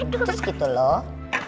terus gitu loh